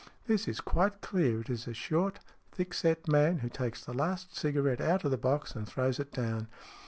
" This is quite clear. It is a short, thick set man who takes the last cigarette out of the box and throws it down.